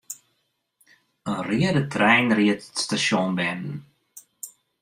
In reade trein ried it stasjon binnen.